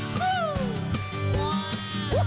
ขอบคุณทุกคนครับ